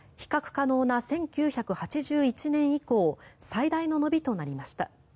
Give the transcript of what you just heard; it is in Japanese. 可能な１９８１年以降最大の伸びとなりました。